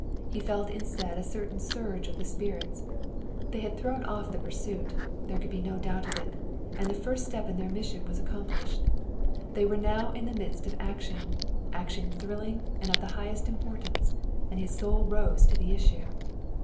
He felt instead a certain surge of the spirits. They had thrown off the pursuit there could be no doubt of it and the first step in their mission was accomplished. They were now in the midst of action, action thrilling and of the highest importance, and his soul rose to the issue.